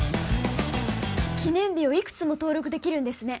記念日をいくつも登録できるんですね